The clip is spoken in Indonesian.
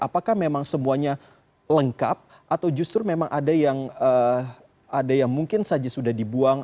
apakah memang semuanya lengkap atau justru memang ada yang mungkin saja sudah dibuang